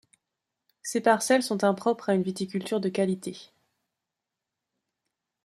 Ces parcelles sont impropres à une viticulture de qualité.